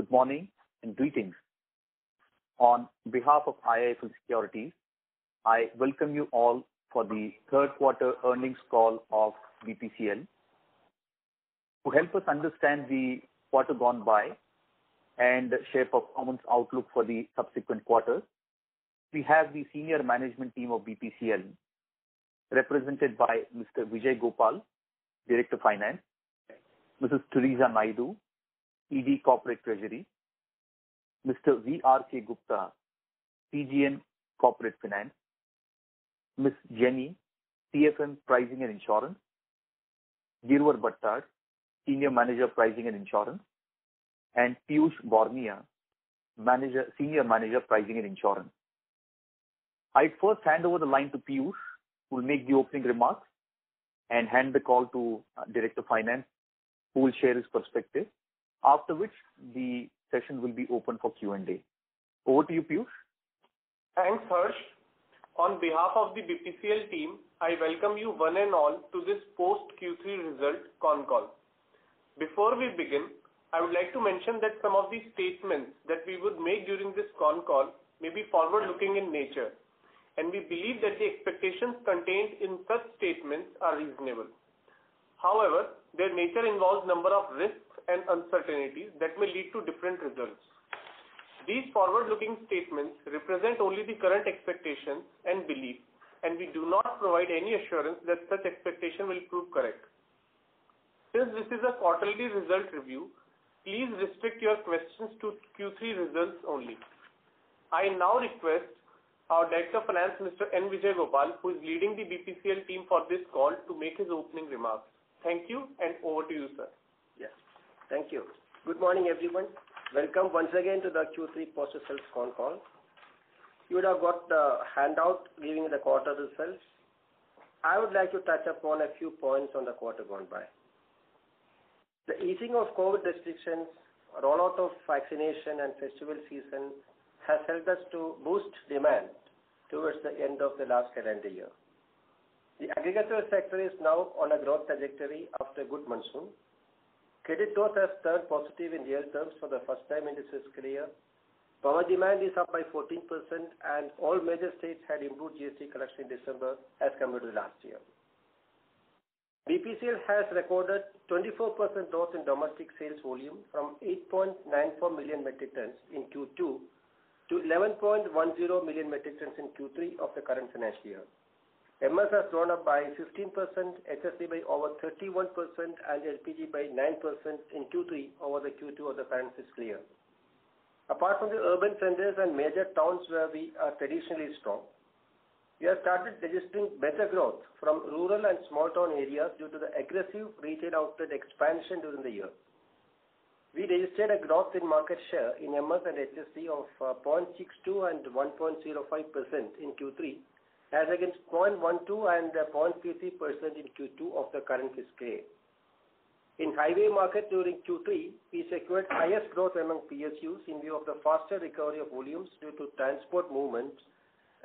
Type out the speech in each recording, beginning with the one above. Good morning, and greetings. On behalf of IIFL Securities, I welcome you all for the third quarter earnings call of BPCL. To help us understand the quarter gone by and share performance outlook for the subsequent quarters, we have the senior management team of BPCL represented by Mr. N. Vijayagopal, Director Finance, Mrs. Teresa Naidu, ED Corporate Treasury, Mr. V. R. K. Gupta, GM Corporate Finance, Ms. Jenny, CGM Pricing and Insurance, Girwar Bhattad, Senior Manager, Pricing and Insurance, and Piyush Borania, Senior Manager, Pricing and Insurance. I first hand over the line to Piyush, who will make the opening remarks and hand the call to Director Finance, who will share his perspective. After which the session will be open for Q&A. Over to you, Piyush. Thanks, Harsh. On behalf of the BPCL team, I welcome you one and all to this post Q3 result con call. Before we begin, I would like to mention that some of the statements that we would make during this con call may be forward-looking in nature, and we believe that the expectations contained in such statements are reasonable. Their nature involves number of risks and uncertainties that may lead to different results. These forward-looking statements represent only the current expectations and belief, and we do not provide any assurance that such expectation will prove correct. Since this is a quarterly result review, please restrict your questions to Q3 results only. I now request our Director Finance, Mr. N. Vijayagopal, who is leading the BPCL team for this call, to make his opening remarks. Thank you. Over to you, sir. Yes. Thank you. Good morning, everyone. Welcome once again to the Q3 post results con call. You would have got a handout giving the quarter results. I would like to touch upon a few points on the quarter gone by. The easing of COVID restrictions, rollout of vaccination, and festival season has helped us to boost demand towards the end of the last calendar year. The agricultural sector is now on a growth trajectory after a good monsoon. Credit growth has turned positive in year terms for the first time in this fiscal year. Power demand is up by 14%. All major states had improved GST collection in December as compared to last year. BPCL has recorded 24% growth in domestic sales volume from 8.94 million metric tons in Q2 to 11.10 million metric tons in Q3 of the current financial year. MS has grown up by 15%, HSD by over 31%, and LPG by 9% in Q3 over the Q2 of the financial year. Apart from the urban centers and major towns where we are traditionally strong, we have started registering better growth from rural and small town areas due to the aggressive retail outlet expansion during the year. We registered a growth in market share in MS and HSD of 0.62% and 1.05% in Q3 as against 0.12 and 0.53% in Q2 of the current fiscal year. In highway market during Q3, we secured highest growth among PSUs in view of the faster recovery of volumes due to transport movements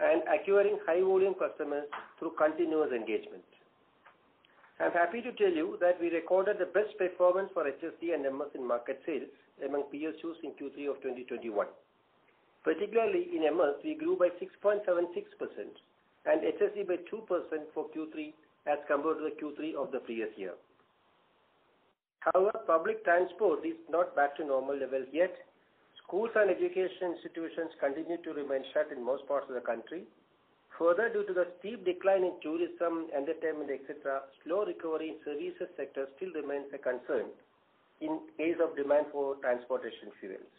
and acquiring high volume customers through continuous engagement. I'm happy to tell you that we recorded the best performance for HSD and MS in market sales among PSUs in Q3 of 2021. Particularly in MS, we grew by 6.76% and HSD by 2% for Q3 as compared to the Q3 of the previous year. Public transport is not back to normal levels yet. Schools and education institutions continue to remain shut in most parts of the country. Due to the steep decline in tourism, entertainment, et cetera, slow recovery in services sector still remains a concern in case of demand for transportation fuels.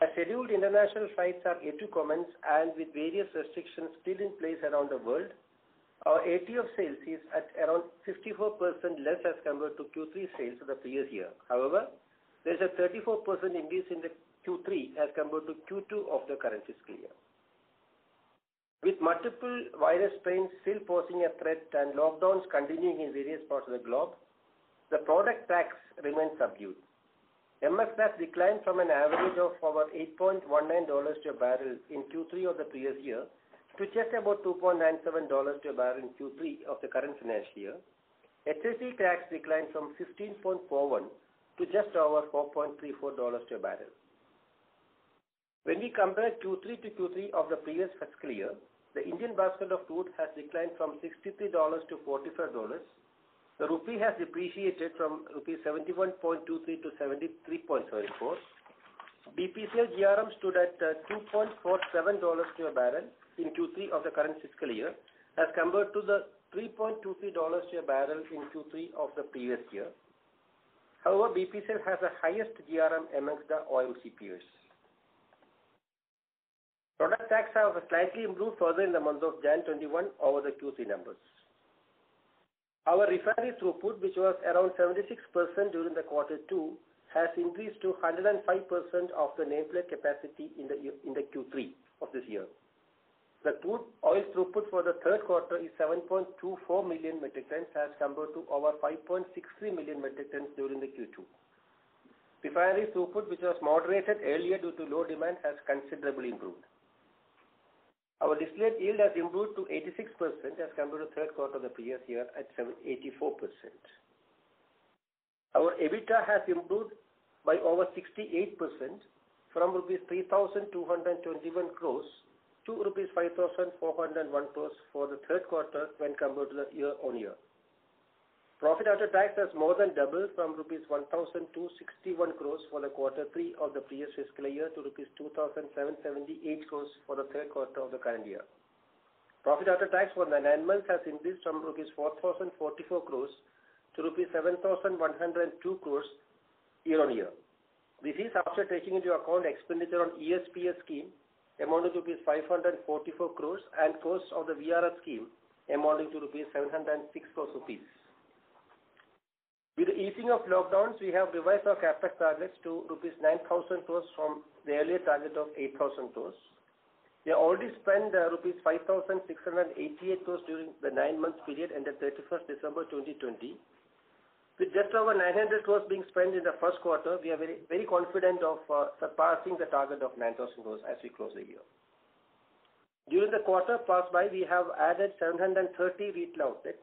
As scheduled international flights are yet to commence and with various restrictions still in place around the world, our ATF sales is at around 54% less as compared to Q3 sales of the previous year. There's a 34% increase in the Q3 as compared to Q2 of the current fiscal year. With multiple virus strains still posing a threat and lockdowns continuing in various parts of the globe, the product tax remains subdued. MS has declined from an average of over $8.19 to a barrel in Q3 of the previous year to just about $2.97 to a barrel in Q3 of the current financial year. HSD tax declined from $15.41 to just over $4.34 to a barrel. When we compare Q3 to Q3 of the previous fiscal year, the Indian basket of crude has declined from $63-$45. The rupee has depreciated from rupees 71.23 to 73.74. BPCL GRM stood at $2.47 to a barrel in Q3 of the current fiscal year as compared to the $3.23 to a barrel in Q3 of the previous year. However, BPCL has the highest GRM amongst the oil PSUs. Product tax has slightly improved further in the month of January 2021 over the Q3 numbers. Our refinery throughput, which was around 76% during the quarter two, has increased to 105% of the nameplate capacity in the Q3 of this year. The crude oil throughput for the third quarter is 7.24 million metric tons as compared to over 5.63 million metric tons during the Q2. Refinery throughput, which was moderated earlier due to low demand, has considerably improved. Our distillate yield has improved to 86%, as compared to the third quarter of the previous year at 84%. Our EBITDA has improved by over 68%, from rupees 3,221 crores to rupees 5,401 crores for the third quarter when compared to the year-over-year. Profit after tax has more than doubled from INR 1,261 crores for the quarter three of the previous fiscal year to INR 2,778 crores for the third quarter of the current year. Profit after tax for the nine months has increased from INR 4,044 crores to INR 7,102 crores year-over-year. This is after taking into account expenditure on ESPS scheme amounting to 544 crores and cost of the VRS scheme amounting to 706 crores rupees. With the easing of lockdowns, we have revised our CapEx targets to 9,000 crores rupees from the earlier target of 8,000 crores. We already spent 5,688 crore rupees during the nine-month period ending December 31st, 2020. With just over 900 crore being spent in the first quarter, we are very confident of surpassing the target of 9,000 crore as we close the year. During the quarter passed by, we have added 730 retail outlets.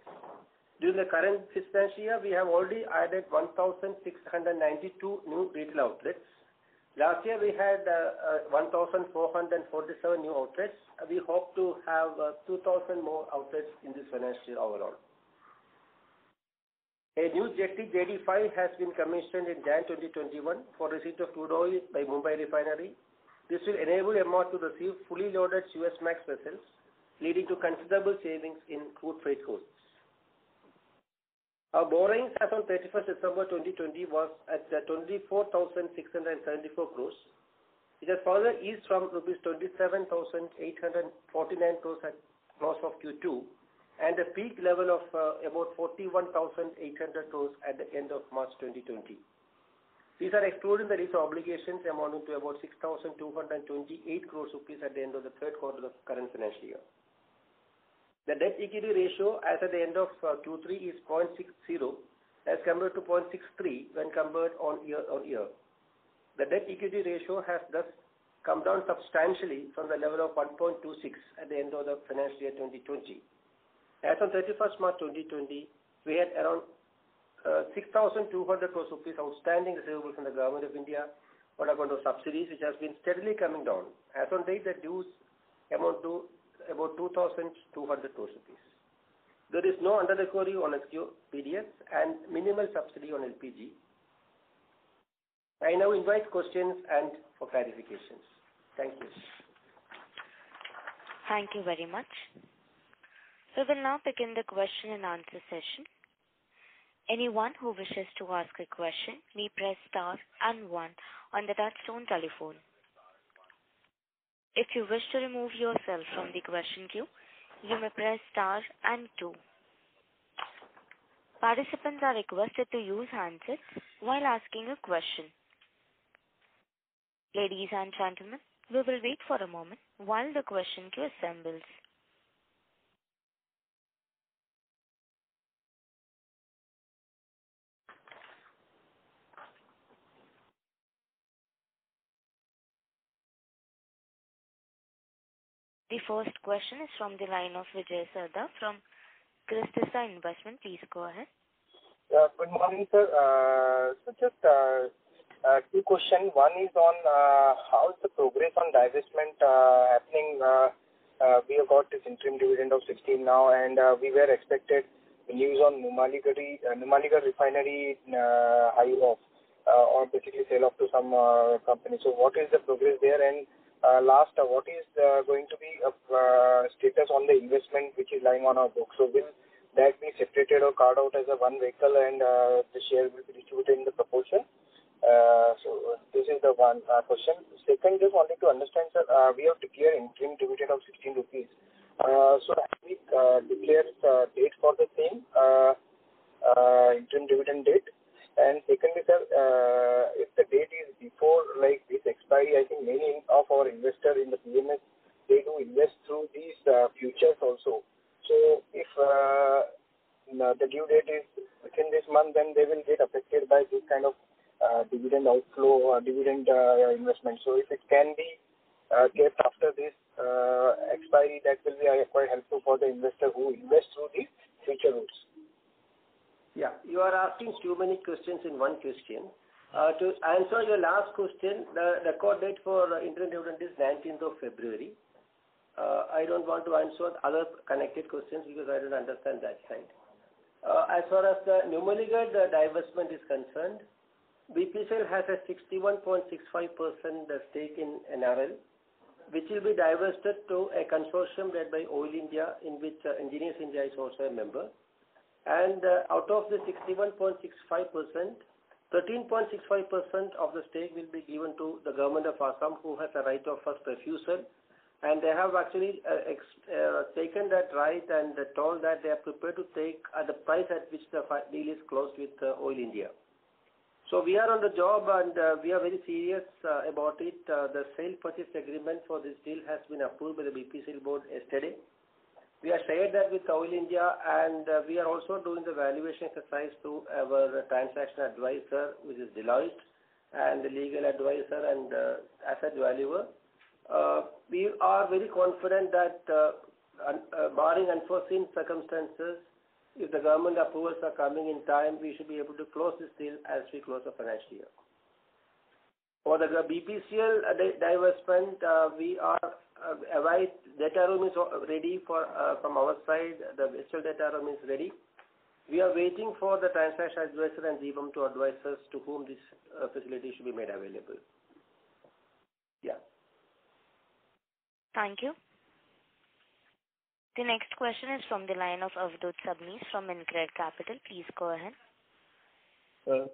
During the current fiscal year, we have already added 1,692 new retail outlets. Last year, we had 1,447 new outlets. We hope to have 2,000 more outlets in this financial year overall. A new jetty, JD5, has been commissioned in January 2021 for receipt of crude oil by Mumbai Refinery. This will enable MR to receive fully loaded Suezmax vessels, leading to considerable savings in crude freight costs. Our borrowings as on December 31st, 2020 was at INR 24,674 crore. It has further eased from INR 27,849 crore at close of Q2, and a peak level of about INR 41,800 crore at the end of March 2020. These are excluding the lease obligations amounting to about INR 6,228 crore at the end of the third quarter of current financial year. The debt-equity ratio as at the end of Q3 is 0.60 as compared to 0.63 when compared on year-over-year. The debt equity ratio has thus come down substantially from the level of 1.26 at the end of the financial year 2020. As on March 31st, 2020, we had around 6,200 crore rupees outstanding receivables from the Government of India for account of subsidies, which has been steadily coming down. As on date, the dues amount to about 2,200 crore. There is no under-recovery on LDO and minimal subsidy on LPG. I now invite questions and for clarifications. Thank you. Thank you very much. We'll now begin the question and answer session. Anyone who wishes to ask a question may press star and one on the touchtone telephone. If you wish to remove yourself from the question queue, you may press star and two. Participants are requested to use handsets while asking a question. Ladies and gentlemen, we will wait for a moment while the question queue assembles. The first question is from the line of Vijay Sarda from Crescita Investment. Please go ahead. Good morning, sir. Just two questions. One is on how is the progress on divestment happening? We have got this interim dividend of 16 now, and we were expected the news on Numaligarh Refinery, or particularly sale off to some company. What is the progress there? Last, what is going to be status on the investment which is lying on our books? Will that be separated or carved out as a one vehicle and the share will be distributed in the proportion? This is the one question. Second, just wanted to understand, sir. We have declared interim dividend of 16 rupees. Have we declared date for the same, interim dividend date? Secondly, sir, if the date is before like this expiry, I think many of our investors in the PMS, they do invest through these futures also. If the due date is within this month, they will get affected by this kind of dividend outflow or dividend investment. If it can be kept after this expiry, that will be quite helpful for the investor who invests through these future routes. You are asking too many questions in one question. To answer your last question, the record date for interim dividend is February 19th. I don't want to answer other connected questions because I don't understand that side. As far as the Numaligarh divestment is concerned, BPCL has a 61.65% stake in NRL, which will be divested to a consortium led by Oil India, in which Engineers India is also a member. Out of the 61.65%, 13.65% of the stake will be given to the Government of Assam, who has a right of first refusal, and they have actually taken that right and told that they are prepared to take at the price at which the deal is closed with Oil India. We are on the job, and we are very serious about it. The sale purchase agreement for this deal has been approved by the BPCL board yesterday. We have shared that with Oil India, we are also doing the valuation exercise through our transaction advisor, which is Deloitte, and the legal advisor and asset valuer. We are very confident that, barring unforeseen circumstances, if the government approvals are coming in time, we should be able to close this deal as we close the financial year. For the BPCL divestment, data room is ready from our side, the digital data room is ready. We are waiting for the transaction advisor and DIPAM to advise us to whom this facility should be made available. Thank you. The next question is from the line of Avadhoot Sabnis from InCred Capital. Please go ahead.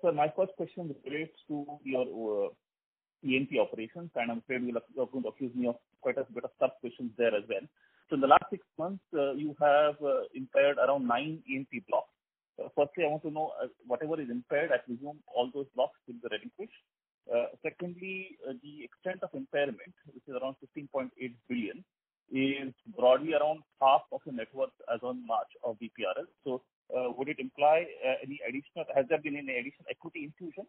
Sir, my first question relates to your E&P operations, and I'm afraid you're going to accuse me of quite a bit of tough questions there as well. In the last six months, you have impaired around nine E&P blocks. Firstly, I want to know, whatever is impaired, I presume all those blocks will be relinquished. Secondly, the extent of impairment, which is around 15.8 billion, is broadly around half of the net worth as on March of BPRL. Would it imply any additional equity infusion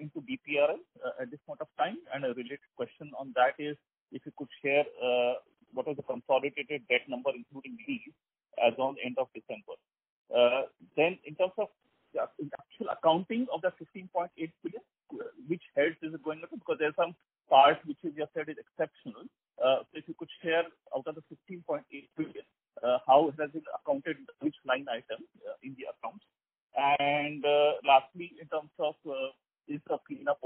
into BPRL at this point of time? A related question on that is, if you could share, what was the consolidated debt number, including lease, as on end of December. In terms of the actual accounting of that 15.8 billion, which heads is it going to? There's some part which we have said is exceptional. If you could share out of the 15.8 billion, how does it accounted, which line item in the accounts? Lastly, in terms of clean up,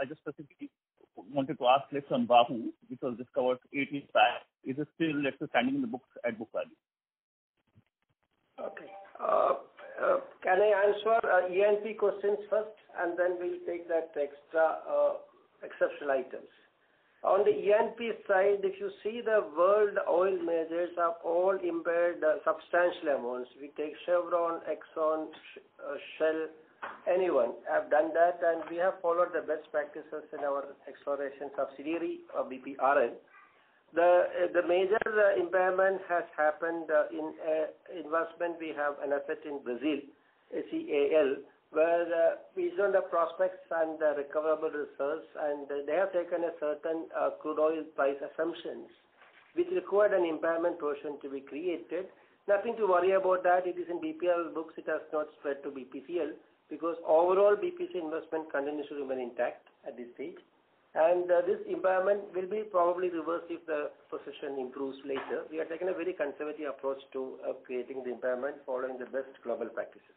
I just specifically wanted to ask this on Wahoo, which was discovered eight years back. Is it still standing in the books at book value? Okay. Can I answer E&P questions first, and then we'll take that extra exceptional items. On the E&P side, if you see the world oil majors have all impaired substantial amounts. We take Chevron, Exxon, Shell, anyone. I've done that, and we have followed the best practices in our exploration subsidiary of BPRL. The major impairment has happened in investment we have an asset in Brazil, ACAL, where based on the prospects and the recoverable reserves, and they have taken a certain crude oil price assumptions, which required an impairment portion to be created. Nothing to worry about that, it is in BPRL books. It has not spread to BPCL because overall BPCL investment continues to remain intact at this stage. This impairment will be probably reversed if the position improves later. We have taken a very conservative approach to creating the impairment, following the best global practices.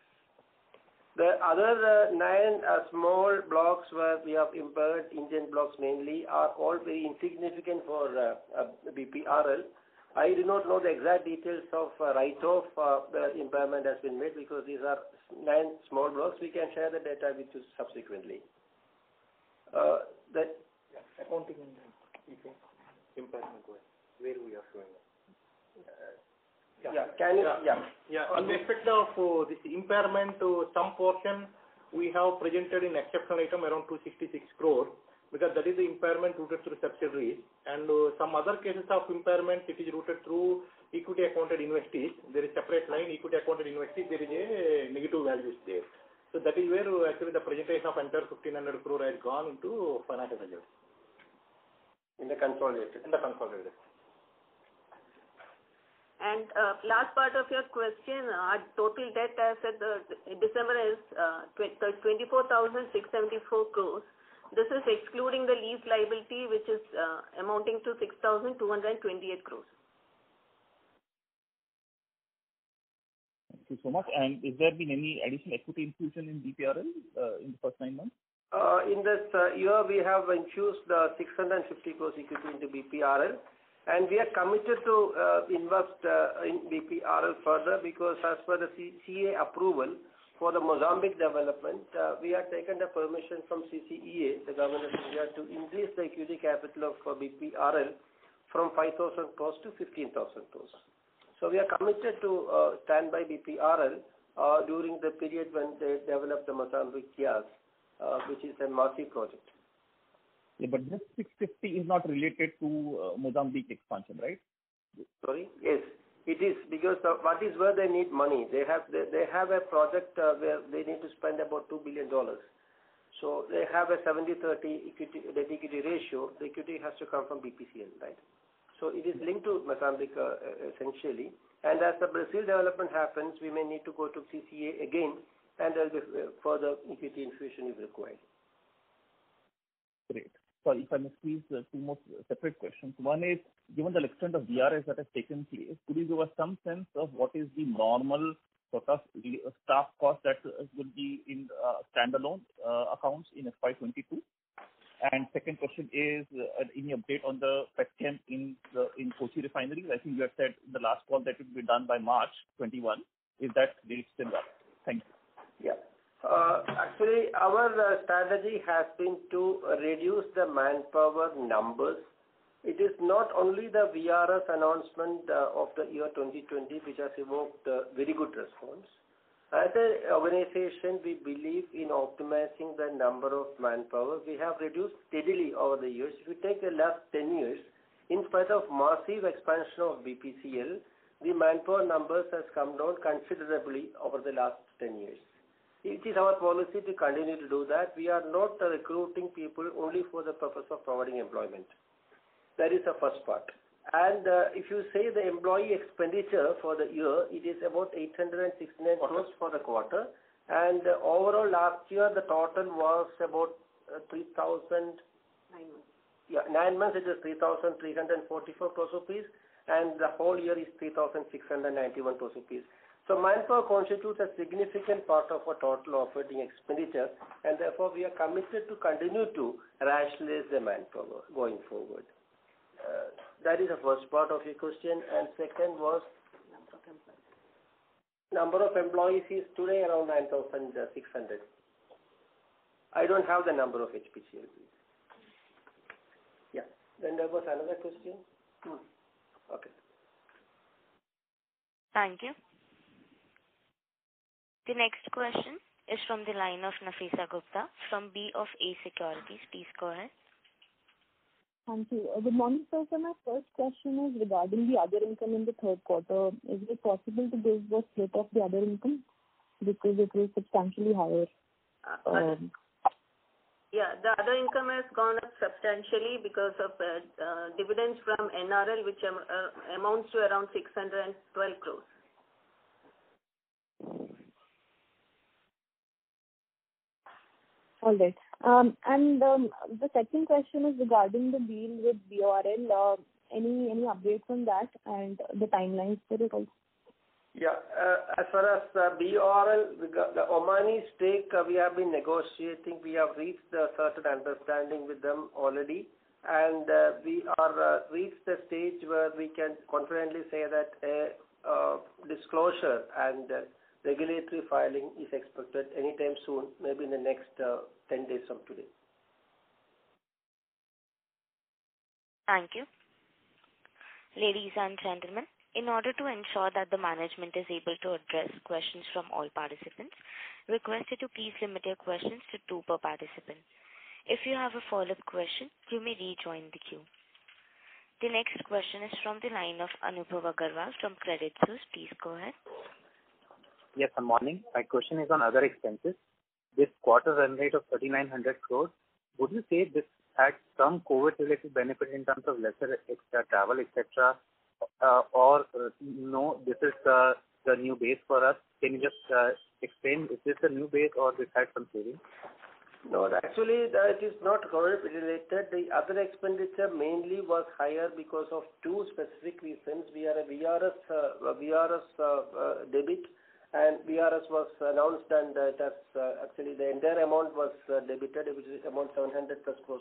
The other nine small blocks where we have impaired Indian blocks mainly are all very insignificant for BPRL. I do not know the exact details of write-off where the impairment has been made, because these are nine small blocks. We can share the data with you subsequently. I can't even remember. Okay. Impairment where we are showing up. Yeah. On the effect of this impairment, some portion we have presented in exceptional item around 266 crore, because that is the impairment routed through subsidiary. Some other cases of impairment, it is routed through equity accounted investees. There is separate line, equity accounted investees, there is a negative values there. That is where actually the presentation of entire 1,500 crore has gone into financial values. In the consolidated. In the consolidated. Last part of your question, our total debt, as at December, is 24,674 crore. This is excluding the lease liability, which is amounting to 6,228 crore. Thank you so much. Has there been any additional equity infusion in BPRL in the first nine months? In this year, we have infused 650 crore equity into BPRL, and we are committed to invest in BPRL further because as per the CCEA approval for the Mozambique development, we have taken the permission from CCEA, the Government of India, to increase the equity capital of BPRL from 5,000 crore to 15,000 crore. We are committed to stand by BPRL during the period when they develop the Mozambique gas, which is a massive project. Yeah, this 650 is not related to Mozambique expansion, right? Sorry. Yes. It is, because that is where they need money. They have a project where they need to spend about $2 billion. They have a 70/30 equity-debt ratio. The equity has to come from BPCL. It is linked to Mozambique, essentially. As the Brazil development happens, we may need to go to CCEA again, and there'll be further equity infusion is required. Great. Sorry, if I may squeeze two more separate questions. One is, given the extent of VRS that has taken place, could you give us some sense of what is the normal sort of staff cost that will be in standalone accounts in FY 2022? Second question is, any update on the headcount in Kochi Refinery? I think you have said in the last call that it will be done by March 2021. Is that date still up? Thank you. Yeah. Actually, our strategy has been to reduce the manpower numbers. It is not only the VRS announcement of the year 2020 which has evoked a very good response. As an organization, we believe in optimizing the number of manpower. We have reduced steadily over the years. If you take the last 10 years, in spite of massive expansion of BPCL, the manpower numbers has come down considerably over the last 10 years. It is our policy to continue to do that. We are not recruiting people only for the purpose of providing employment. That is the first part. If you say the employee expenditure for the year, it is about 869 crores for the quarter. Overall, last year, the total was about 3,000- Nine months. Yeah. Nine months, it is 3,344 crore rupees, and the whole year is 3,691 crore rupees. Manpower constitutes a significant part of our total operating expenditure, and therefore, we are committed to continue to rationalize the manpower going forward. That is the first part of your question, and second was? Number of employees. Number of employees is today around 9,600. I don't have the number of HPCL. Yeah. There was another question? No. Okay. Thank you. The next question is from the line of Nafeesa Gupta from BofA Securities. Please go ahead. Thank you. Good morning, sir. My first question is regarding the other income in the third quarter. Is it possible to give the split of the other income because it was substantially higher? The other income has gone up substantially because of dividends from NRL, which amounts to around 612 crores. All right. The second question is regarding the deal with BORL. Any update on that and the timelines there at all? Yeah. As far as BORL, the Omani stake, we have been negotiating. We have reached a certain understanding with them already. We are reached a stage where we can confidently say that a disclosure and regulatory filing is expected anytime soon, maybe in the next 10 days from today. Thank you. Ladies and gentlemen, in order to ensure that the management is able to address questions from all participants, requested to please limit your questions to two per participant. If you have a follow-up question, you may rejoin the queue. The next question is from the line of Anubhav Agarwal from Credit Suisse. Please go ahead. Yes, good morning. My question is on other expenses. This quarter run rate of 3,900 crore, would you say this had some COVID-related benefit in terms of lesser extra travel, et cetera? No, this is the new base for us. Can you just explain, is this a new base or this had some savings? No. Actually, that is not COVID-related. The other expenditure mainly was higher because of two specific reasons. We had a VRS debit. VRS was announced, and actually, the entire amount was debited, which is about 700 plus crore.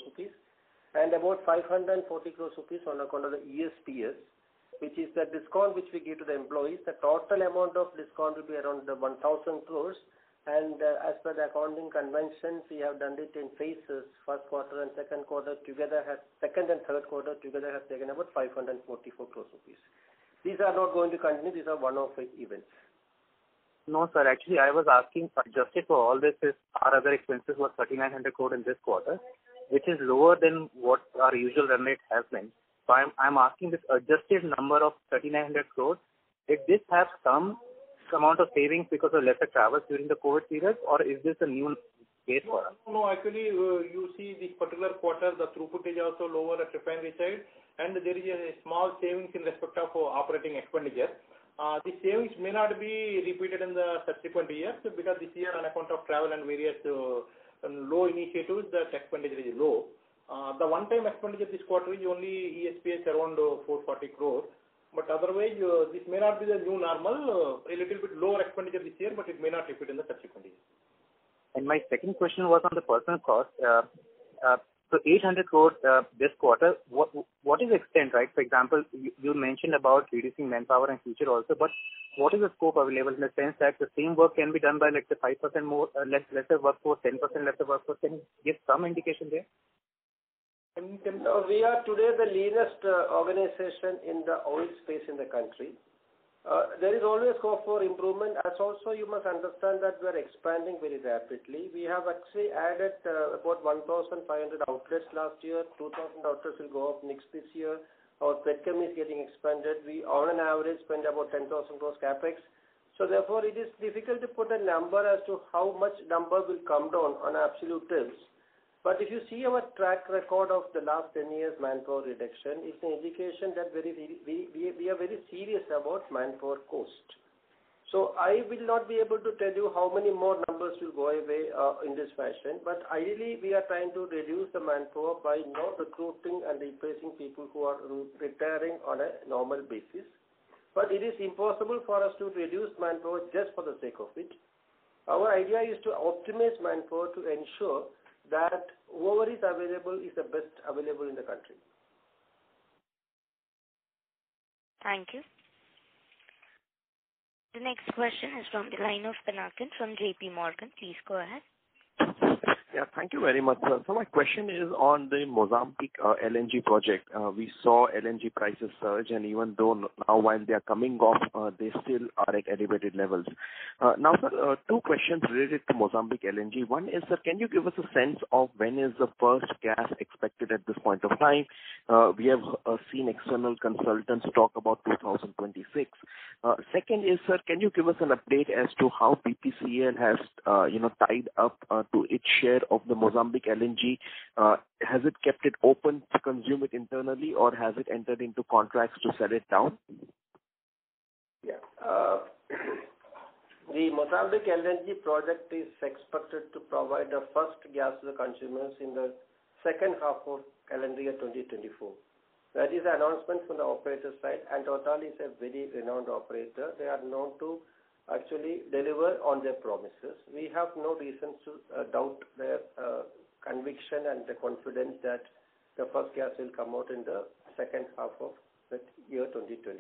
About 540 crore on account of the ESPS, which is the discount which we give to the employees. The total amount of discount will be around 1,000 crore, and as per the accounting conventions, we have done it in phases. First quarter and second quarter together, second and third quarter together have taken about 544 crore rupees. These are not going to continue. These are one-off events. No, sir. Actually, I was asking, adjusted for all this, our other expenses were 3,900 crore in this quarter, which is lower than what our usual run rate has been. I'm asking this adjusted number of 3,900 crore, did this have some amount of savings because of lesser travel during the COVID period, or is this a new base for us? No, actually, you see this particular quarter, the throughput is also lower at refinery side. There is a small saving in respect of operating expenditure. The savings may not be repeated in the subsequent years because this year, on account of travel and various low initiatives, the expenditure is low. The one-time expenditure this quarter is only ESPS around 440 crores. Otherwise, this may not be the new normal. A little bit lower expenditure this year. It may not repeat in the subsequent years. My second question was on the personal cost. 800 crore this quarter, what is extent, right? For example, you mentioned about reducing manpower and future also. What is the scope available in the sense that the same work can be done by like the 5% lesser workforce, 10% lesser workforce? Can you give some indication there? We are today the leanest organization in the oil space in the country. There is always scope for improvement, as also you must understand that we are expanding very rapidly. We have actually added about 1,500 outlets last year. 2,000 outlets will go up next this year. Our petchem is getting expanded. We, on an average, spend about 10,000 gross CapEx. Therefore, it is difficult to put a number as to how much numbers will come down on absolute terms. If you see our track record of the last 10 years, manpower reduction is an indication that we are very serious about manpower cost. I will not be able to tell you how many more numbers will go away in this fashion. Ideally, we are trying to reduce the manpower by not recruiting and replacing people who are retiring on a normal basis. It is impossible for us to reduce manpower just for the sake of it. Our idea is to optimize manpower to ensure that whoever is available is the best available in the country. Thank you. The next question is from the line of Pinakin from JPMorgan. Please go ahead. Thank you very much, sir. My question is on the Mozambique LNG project. We saw LNG prices surge, and even though now while they are coming off, they still are at elevated levels. Sir, two questions related to Mozambique LNG. One is, sir, can you give us a sense of when is the first gas expected at this point of time? We have seen external consultants talk about 2026. Second is, sir, can you give us an update as to how BPCL has tied up to its share of the Mozambique LNG? Has it kept it open to consume it internally, or has it entered into contracts to sell it down? The Mozambique LNG project is expected to provide the first gas to the consumers in the second half of calendar year 2024. That is the announcement from the operator's side. Total is a very renowned operator. They are known to actually deliver on their promises. We have no reason to doubt their conviction and the confidence that the first gas will come out in the second half of that year 2024.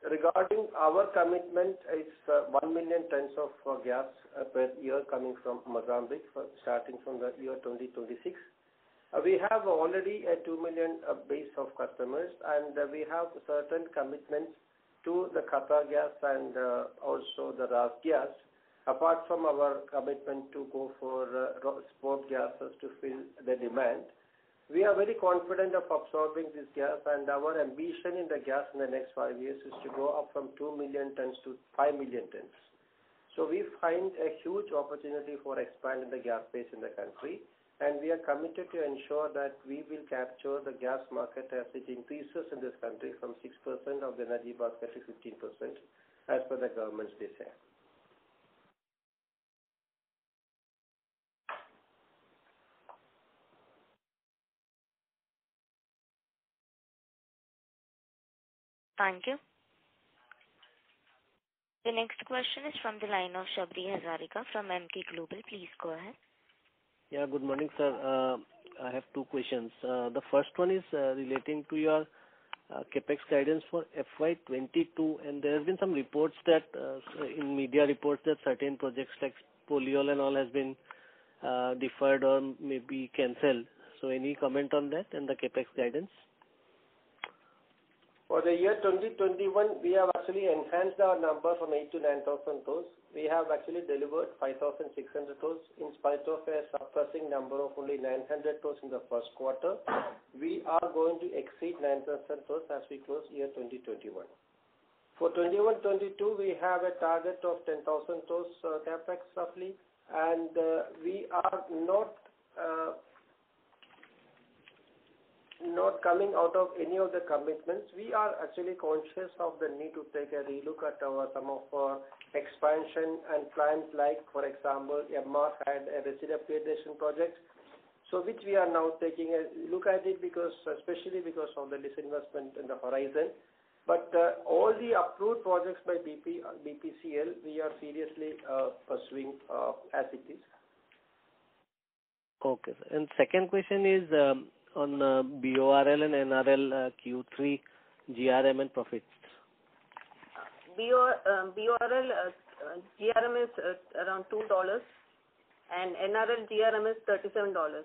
Regarding our commitment, it's 1 million tons of gas per year coming from Mozambique, starting from the year 2026. We have already a 2 million base of customers. We have certain commitments to the Qatargas and also the RasGas. Apart from our commitment to go for spot gases to fill the demand, we are very confident of absorbing this gas and our ambition in the gas in the next five years is to go up from 2 million tons- 5 million tons. We find a huge opportunity for expanding the gas base in the country, and we are committed to ensure that we will capture the gas market as it increases in this country from 6% of the energy basket to 15%, as per the government's desire. Thank you. The next question is from the line of Sabri Hazarika from Emkay Global. Please go ahead. Yeah, good morning, sir. I have two questions. The first one is relating to your CapEx guidance for FY 2022, there have been some media reports that certain projects like polyolefins has been deferred or maybe canceled. Any comment on that and the CapEx guidance? For the year 2021, we have actually enhanced our number from 8,000-9,000 tons. We have actually delivered 5,600 tons in spite of a suppressing number of only 900 tons in the first quarter. We are going to exceed 9,000 tons as we close year 2021. For 2021/2022, we have a target of 10,000 tons CapEx roughly, and we are not coming out of any of the commitments. We are actually conscious of the need to take a relook at some of our expansion and plans like, for example, EMMA and residue upgradation projects. Which we are now taking a look at it, especially because of the disinvestment in the horizon. All the approved projects by BPCL, we are seriously pursuing as it is. Okay, sir. Second question is on the BORL and NRL Q3 GRM and profits. BORL GRM is around $2, and NRL GRM is $37.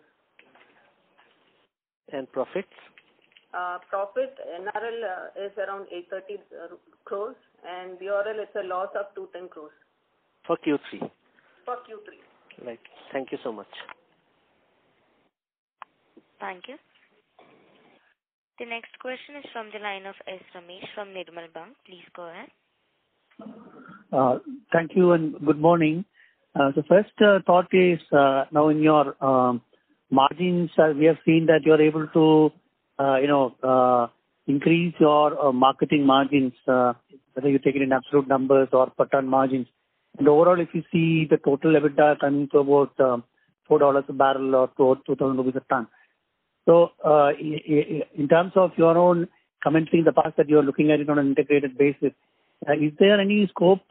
Profits? Profit, NRL is around 830 crore, and BORL, it's a loss of 210 crore. For Q3? For Q3. Right. Thank you so much. Thank you. The next question is from the line of S. Ramesh from Nirmal Bang. Please go ahead. Thank you, and good morning. The first thought is, now in your margins, we have seen that you are able to increase your marketing margins, whether you take it in absolute numbers or per ton margins. Overall, if you see the total EBITDA coming to about $4 a barrel or INR 2,000 a ton. In terms of your own commenting in the past that you are looking at it on an integrated basis, is there any scope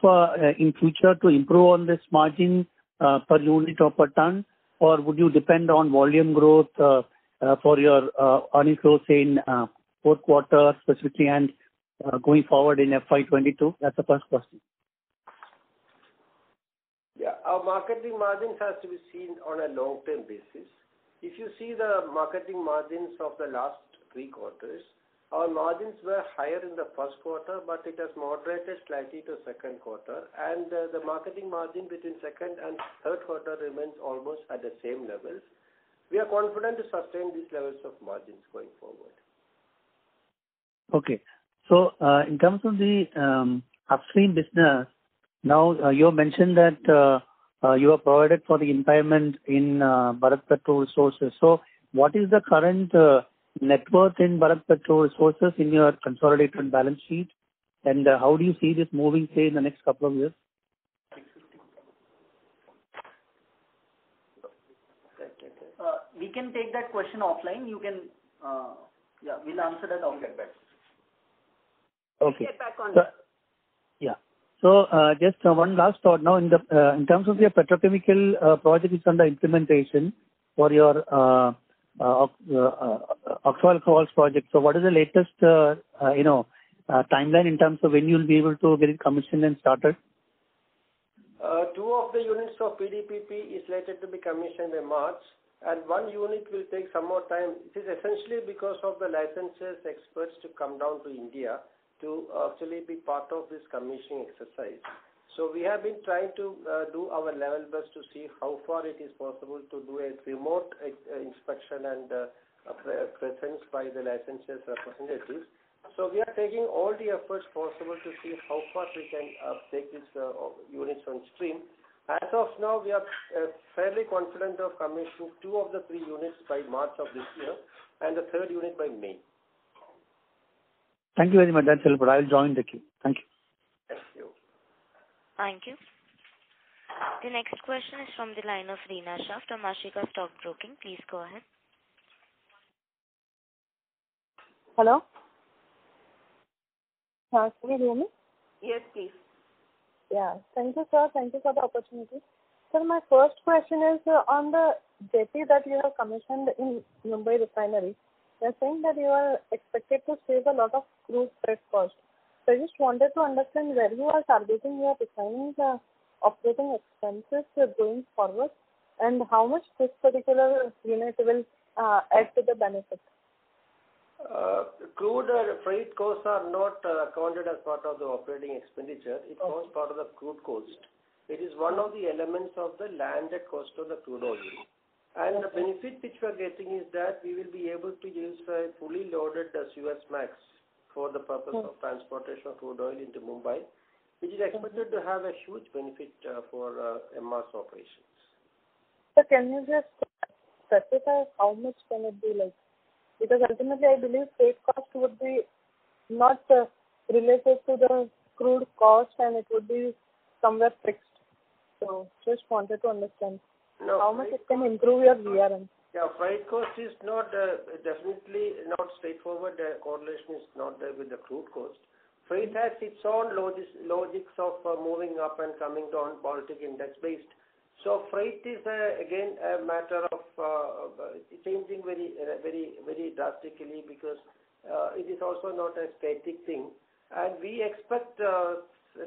in future to improve on this margin per unit or per ton? Would you depend on volume growth for your earnings growth in fourth quarter specifically and going forward in FY 2022? That's the first question. Yeah. Our marketing margins has to be seen on a long-term basis. If you see the marketing margins of the last three quarters, our margins were higher in the first quarter, but it has moderated slightly to second quarter, and the marketing margin between second and third quarter remains almost at the same levels. We are confident to sustain these levels of margins going forward. Okay. In terms of the upstream business, now you have mentioned that you have provided for the impairment in Bharat PetroResources. What is the current net worth in Bharat PetroResources in your consolidated balance sheet, and how do you see this moving, say, in the next couple of years? We can take that question offline. We will answer that and get back. Okay. We'll get back on that. Yeah. Just one last thought. Now, in terms of your petrochemical project is under implementation for your Oxo alcohols project. What is the latest timeline in terms of when you'll be able to get it commissioned and started? Two of the units of PDPP is slated to be commissioned in March, and one unit will take some more time. It is essentially because of the licensors' experts to come down to India to actually be part of this commissioning exercise. We have been trying to do our level best to see how far it is possible to do a remote inspection and clearance by the licensors representatives. We are taking all the efforts possible to see how far we can take these units on stream. As of now, we are fairly confident of commissioning two of the three units by March of this year and the third unit by May. Thank you very much, Vijay. I'll join the queue. Thank you. Thank you. Thank you. The next question is from the line of Reena Shah from Ashika Stock Broking. Please go ahead. Hello? Can you hear me? Yes, please. Thank you, sir. Thank you for the opportunity. Sir, my first question is on the jetty that you have commissioned in Mumbai refinery. They're saying that you are expected to save a lot of crude freight cost. I just wanted to understand where you are servicing your refinery's OpEx going forward, and how much this particular unit will add to the benefit. Crude freight costs are not counted as part of the operating expenditure. Okay. It forms part of the crude cost. It is one of the elements of the landed cost of the crude oil. The benefit which we're getting is that we will be able to use a fully loaded Suezmax for the purpose of transportation of crude oil into Mumbai, which is expected to have a huge benefit for MR's operations. Sir, can you just specify how much can it be like? Ultimately, I believe freight cost would be not related to the crude cost and it would be somewhere fixed. Just wanted to understand- No. how much it can improve your GRM. Freight cost is definitely not straightforward. The correlation is not there with the crude cost. Freight has its own logics of moving up and coming down, Baltic index based. Freight is, again, a matter of changing very drastically because it is also not a static thing. We expect a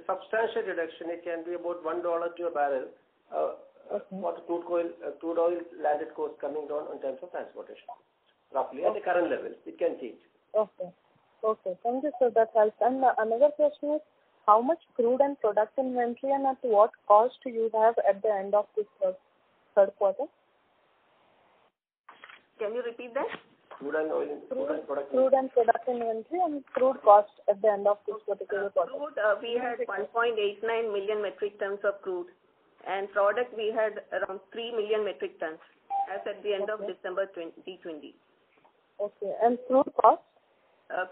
substantial reduction. It can be about INR 1 to a barrel. Okay. For crude oil landed cost coming down in terms of transportation roughly at the current level. It can change. Okay. Thank you, sir. That helps. Another question is, how much crude and product inventory and at what cost do you have at the end of this third quarter? Can you repeat that? Crude and product inventory. Crude and product inventory and crude cost at the end of this particular quarter. Crude, we had 1.89 million metric tons of crude, and product, we had around 3 million metric tons as at the end of December 2020. Okay. Crude cost?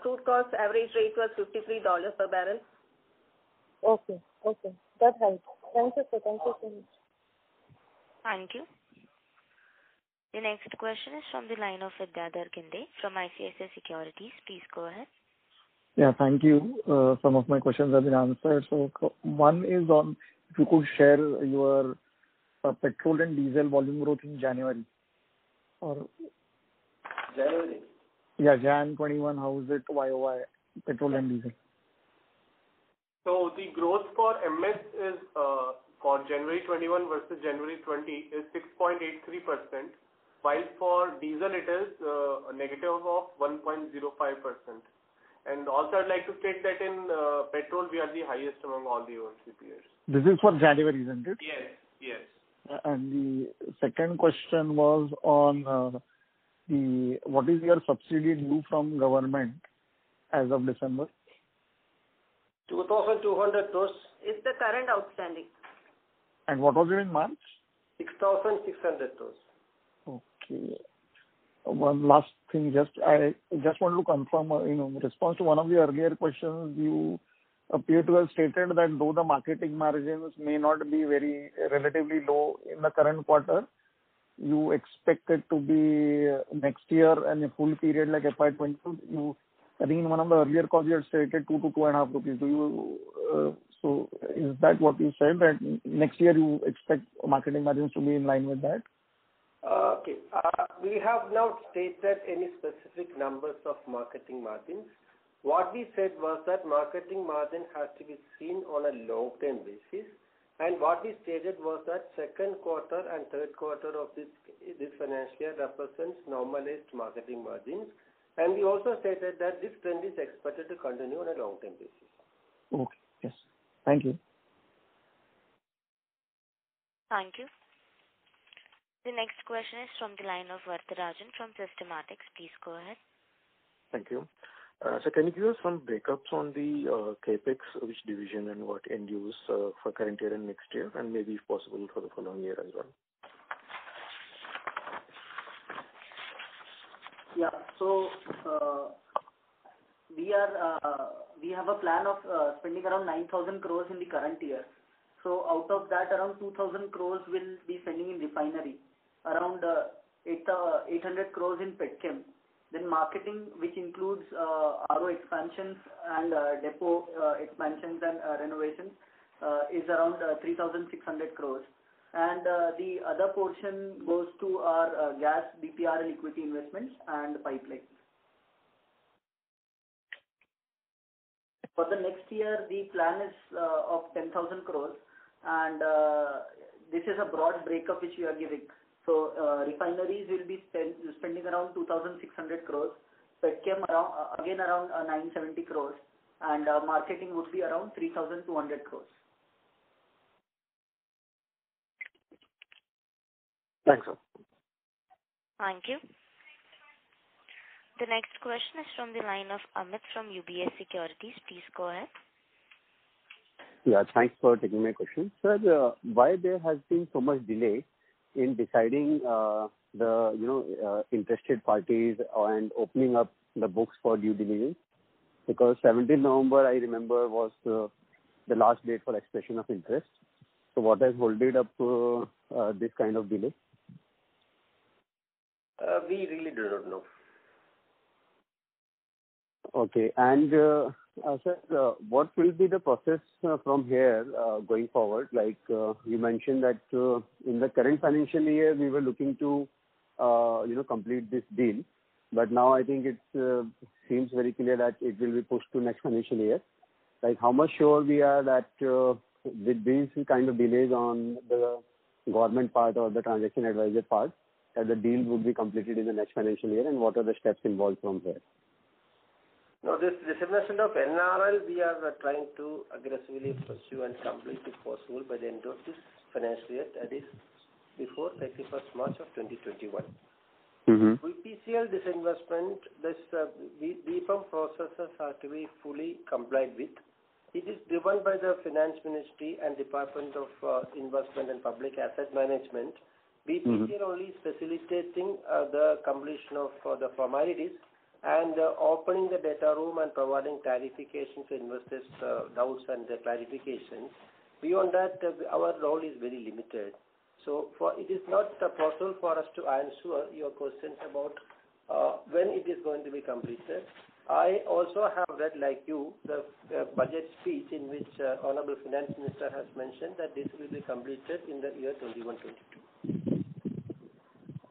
Crude cost average rate was $53 per bbl. Okay. That helps. Thank you, sir. Thank you. The next question is from the line of Vidyadhar Ginde from ICICI Securities. Please go ahead. Yeah, thank you. Some of my questions have been answered. One is on if you could share your petroleum diesel volume growth in January. January? Yeah, January 2021. How is it YoY, petroleum diesel? The growth for MS is for January 2021 versus January 2020 is 6.83% while for diesel it is a negative of 1.05%. Also, I'd like to state that in petrol we are the highest among all the OMCs. This is for January, isn't it? Yes. The second question was on what is your subsidy due from government as of December? 2,200 crores. Is the current outstanding? What was it in March? 6,600 crores. Okay. One last thing. I just want to confirm, in response to one of the earlier questions, you appear to have stated that though the marketing margins may not be very relatively low in the current quarter, you expect it to be next year and a full period like FY 2022. I think in one of the earlier calls you had stated two to two and a half rupees. Is that what you said, that next year you expect marketing margins to be in line with that? We have not stated any specific numbers of marketing margins. What we said was that marketing margin has to be seen on a long-term basis. What we stated was that second quarter and third quarter of this financial year represents normalized marketing margins. We also stated that this trend is expected to continue on a long-term basis. Okay. Yes. Thank you. Thank you. The next question is from the line of Varatharajan from Systematix. Please go ahead. Thank you. Can you give us some breakups on the CapEx, which division and what end use for current year and next year, and maybe if possible for the following year as well? We have a plan of spending around 9,000 crores in the current year. Out of that, around 2,000 crores we'll be spending in refinery, around 800 crores in petchem. Marketing, which includes RO expansions and depot expansions and renovations, is around 3,600 crores. The other portion goes to our gas DPR and equity investments and pipelines. For the next year, the plan is of 10,000 crores, and this is a broad breakup which we are giving. Refineries, we'll be spending around 2,600 crores. Petchem, again, around 970 crores, and marketing would be around 3,200 crores. Thanks. Thank you. The next question is from the line of Amit from UBS Securities. Please go ahead. Yeah. Thanks for taking my question. Sir, why there has been so much delay in deciding the interested parties and opening up the books for due diligence? 17 November, I remember, was the last date for expression of interest. What has held up this kind of delay? We really do not know. Okay. Sir, what will be the process from here going forward? You mentioned that in the current financial year, we were looking to complete this deal. Now I think it seems very clear that it will be pushed to next financial year. How much sure we are that with this kind of delays on the government part or the transaction advisory part, that the deal would be completed in the next financial year? What are the steps involved from here? No, this disinvestment of NRL, we are trying to aggressively pursue and complete, if possible, by the end of this financial year. That is before March 31st, 2021. With BPCL disinvestment, the DIPAM processes are to be fully complied with. It is driven by the Finance Ministry and Department of Investment and Public Asset Management. BPCL only facilitating the completion of the formalities and opening the data room and providing clarification to investors, doubts and clarifications. Beyond that, our role is very limited. It is not possible for us to answer your questions about when it is going to be completed. I also have read, like you, the budget speech in which honorable Finance Minister has mentioned that this will be completed in the year 2021-2022.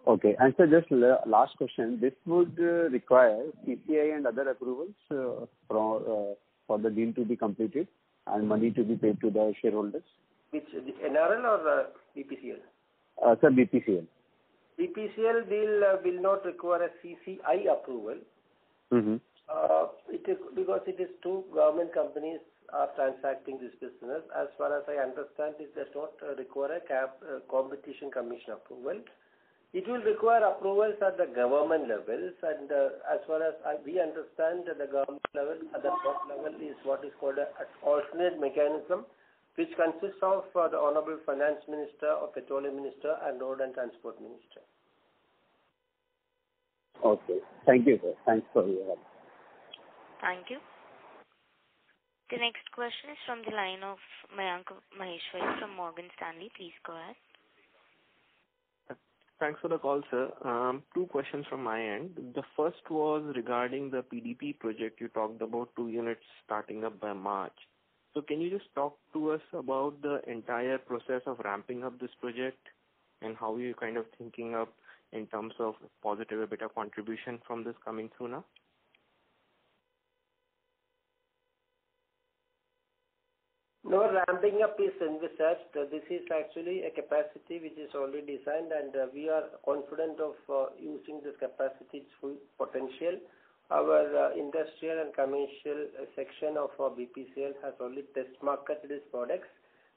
Okay. Sir, just last question. This would require CCI and other approvals for the deal to be completed and money to be paid to the shareholders? Which, NRL or BPCL? Sir, BPCL. BPCL deal will not require a CCI approval. It is two government companies are transacting this business. As far as I understand it, does not require a Competition Commission approval. It will require approvals at the government levels, and as far as we understand, the government level, at the top level, is what is called an alternate mechanism, which consists of the honorable Finance Minister or Petroleum Minister and Road and Transport Minister. Okay. Thank you, sir. Thanks for your help. Thank you. The next question is from the line of Mayank Maheshwari from Morgan Stanley. Please go ahead. Thanks for the call, sir. Two questions from my end. The first was regarding the PDPP project. You talked about two units starting up by March. Can you just talk to us about the entire process of ramping up this project and how you're thinking up in terms of positive EBITDA contribution from this coming sooner? No ramping up is envisaged. This is actually a capacity which is already designed, and we are confident of using this capacity to its full potential. Our industrial and commercial section of BPCL has already test marketed these products.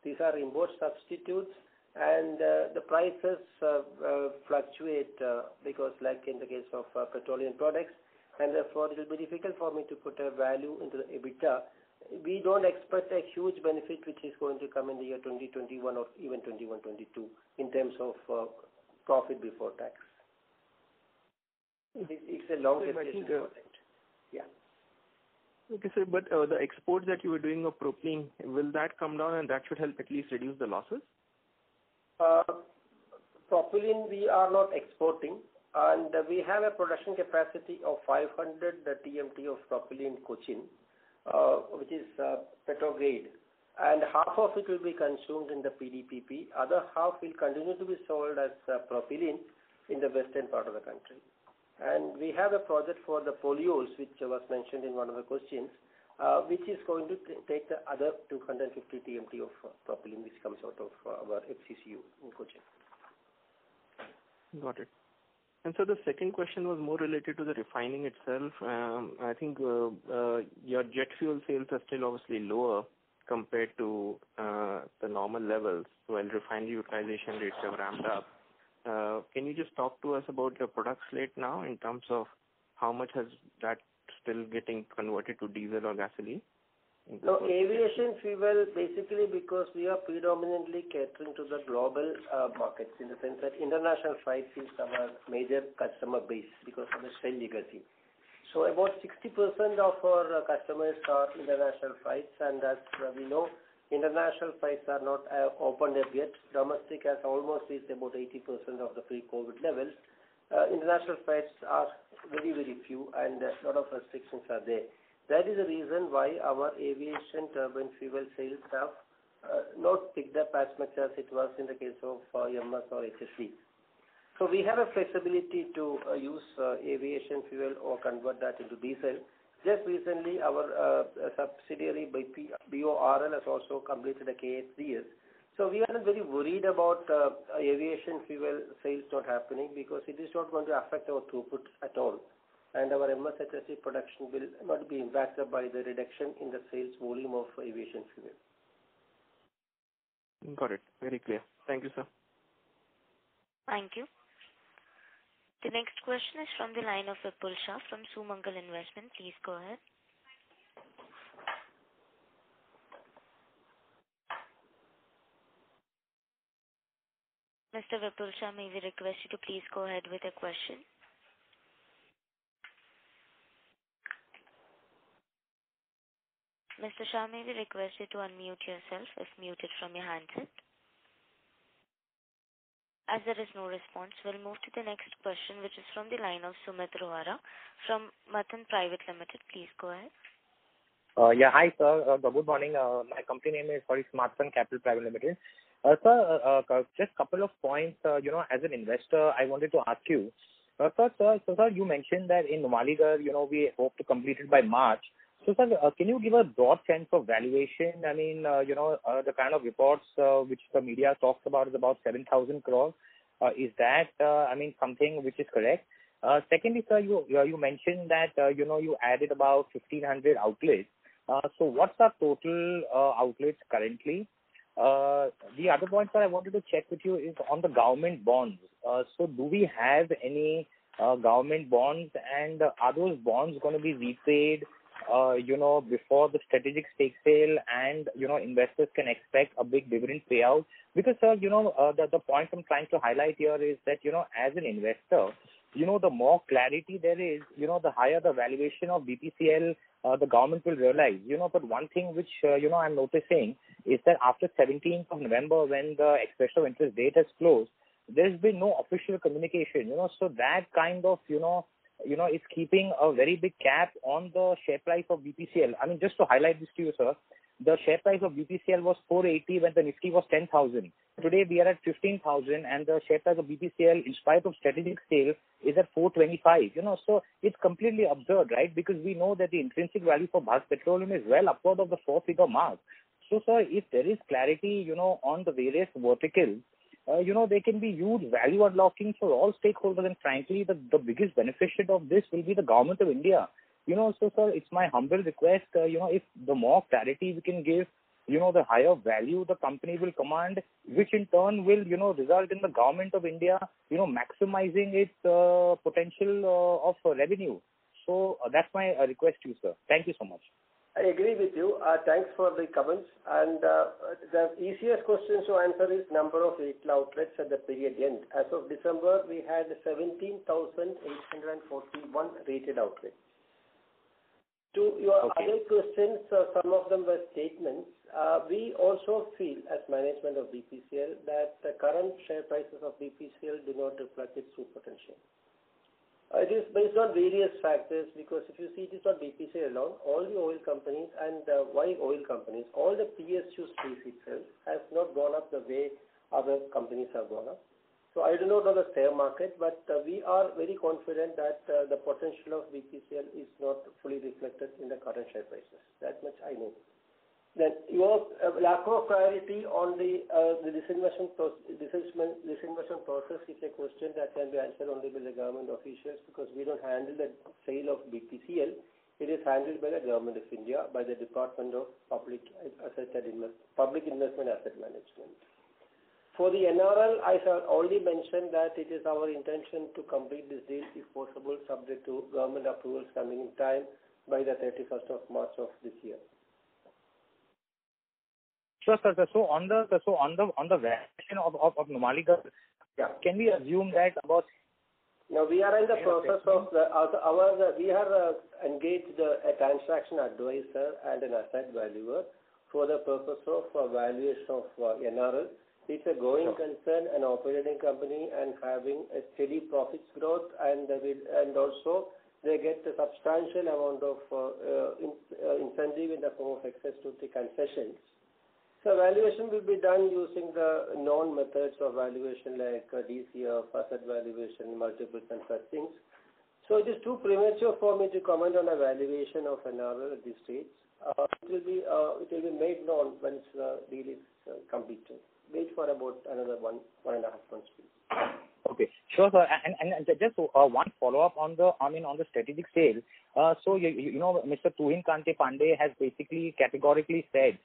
These are import substitutes, and the prices fluctuate because, like in the case of petroleum products, and therefore, it will be difficult for me to put a value into the EBITDA. We don't expect a huge benefit which is going to come in the year 2021 or even 2021-2022 in terms of profit before tax. It's a long-term Yeah. Okay, sir, the exports that you were doing of propylene, will that come down and that should help at least reduce the losses? Propylene, we are not exporting, and we have a production capacity of 500 TMT of propylene in Kochi, which is petrograde, and half of it will be consumed in the PDPP, other half will continue to be sold as propylene in the western part of the country. We have a project for the polyolefins, which was mentioned in one of the questions, which is going to take the other 250 TMT of propylene which comes out of our FCCU in Kochi. Got it. Sir, the second question was more related to the refining itself. I think your jet fuel sales are still obviously lower compared to the normal levels when refinery utilization rates have ramped up. Can you just talk to us about your product slate now in terms of how much has that still getting converted to diesel or gasoline? No, aviation fuel, basically because we are predominantly catering to the global markets in the sense that international flights is our major customer base because of the Shell legacy. About 60% of our customers are international flights, and as we know, international flights are not opened up yet. Domestic has almost reached about 80% of the pre-COVID level. International flights are very few and a lot of restrictions are there. That is the reason why our aviation turbine fuel sales have not picked up as much as it was in the case of MS or HSD. We have a flexibility to use aviation fuel or convert that into diesel. Just recently, our subsidiary by BORL has also completed a CACS. We are not very worried about aviation fuel sales not happening because it is not going to affect our throughput at all. Our MS HSD production will not be impacted by the reduction in the sales volume of aviation fuel. Got it. Very clear. Thank you, sir. Thank you. The next question is from the line of Vipul Shah from Sumangal Investments. Please go ahead. Mr. Vipul Shah, may we request you to please go ahead with your question. Mr. Shah, may we request you to unmute yourself if muted from your handset. As there is no response, we will move to the next question, which is from the line of Sumit Rohra from Matan Private Limited. Please go ahead. Hi, sir. Good morning. My company name is Helios Capital Limited. Sir, just couple of points. As an investor, I wanted to ask you. Sir, you mentioned that in Numaligarh, we hope to complete it by March. Sir, can you give a broad sense of valuation? I mean, the kind of reports which the media talks about is about 7,000 crore. Is that something which is correct? Secondly, sir, you mentioned that you added about 1,500 outlets. What's our total outlets currently? The other point that I wanted to check with you is on the government bonds. Do we have any government bonds, and are those bonds going to be repaid before the strategic stake sale and investors can expect a big dividend payout? Sir, the point I'm trying to highlight here is that, as an investor, the more clarity there is, the higher the valuation of BPCL, the government will realize. One thing which I'm noticing is that after November 17th, when the expression of interest date has closed, there's been no official communication. That kind of is keeping a very big cap on the share price of BPCL. I mean, just to highlight this to you, sir, the share price of BPCL was 480 when the Nifty was 10,000. Today, we are at 15,000, and the share price of BPCL, in spite of strategic sale, is at 425. It's completely absurd, right? We know that the intrinsic value for Bharat Petroleum is well upward of the four-figure mark. Sir, if there is clarity on the various verticals, there can be huge value unlocking for all stakeholders. Frankly, the biggest beneficiant of this will be the Government of India. Sir, it's my humble request, if the more clarity we can give, the higher value the company will command, which in turn will result in the Government of India maximizing its potential of revenue. That's my request to you, sir. Thank you so much. I agree with you. Thanks for the comments. The easiest question to answer is number of retail outlets at the period end. As of December, we had 17,841 rated outlets. To your other questions, some of them were statements. We also feel, as management of BPCL, that the current share prices of BPCL do not reflect its true potential. It is based on various factors because if you see, it is not BPCL alone. All the oil companies and, why oil companies, all the PSUs itself has not gone up the way other companies have gone up. I do not know the share market, but we are very confident that the potential of BPCL is not fully reflected in the current share prices. That much I know. Your lack of priority on the disinvestment process is a question that can be answered only by the government officials because we don't handle the sale of BPCL. It is handled by the Government of India, by the Department of Investment and Public Asset Management. For the NRL, I already mentioned that it is our intention to complete this deal if possible, subject to government approvals coming in time by the 31st of March of this year. Sure, sir. On the valuation of Numaligarh- Yeah. can we assume that? We have engaged a transaction advisor and an asset valuer for the purpose of valuation of NRL. It's a going concern, an operating company and having a steady profit growth and also they get a substantial amount of incentive in the form of access to the concessions. Valuation will be done using the known methods of valuation like DCF, asset valuation, multiple, and such things. It is too premature for me to comment on the valuation of NRL at this stage. It will be made known once the deal is completed. Wait for about another one and a half months, please. Okay. Sure, sir. Just one follow-up on the strategic sale. Mr. Tuhin Kanta Pandey has basically categorically said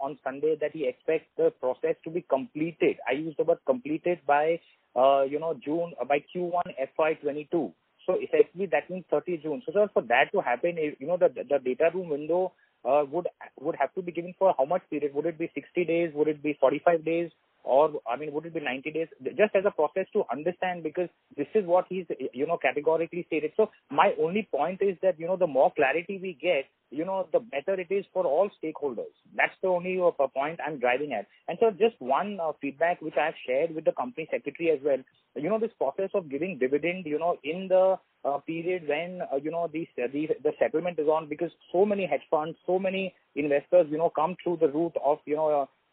on Sunday that he expects the process to be completed, I use the word "completed," by Q1 FY 2022. Essentially, that means June 30. Sir, for that to happen, the data room window would have to be given for how much period? Would it be 60 days? Would it be 45 days? Would it be 90 days? Just as a process to understand, because this is what he's categorically stated. My only point is that, the more clarity we get, the better it is for all stakeholders. That's the only point I'm driving at. Sir, just 1 feedback which I have shared with the company secretary as well. This process of giving dividend, in the period when the settlement is on, because so many hedge funds, so many investors come through the route of